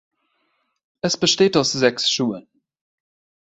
Es besteht aus sechs Schulen.